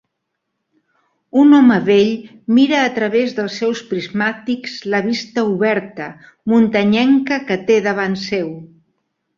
Un home vell mira a través dels seus prismàtics la vista oberta, muntanyenca que té davant seu.